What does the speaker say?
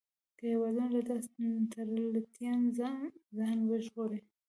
که هېوادونه له داسې تړلتیا ځان وژغوري.